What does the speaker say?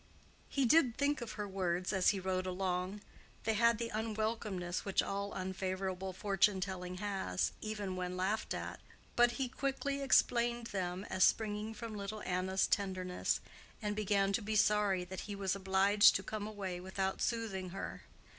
He did think of her words as he rode along; they had the unwelcomeness which all unfavorable fortune telling has, even when laughed at; but he quickly explained them as springing from little Anna's tenderness, and began to be sorry that he was obliged to come away without soothing her.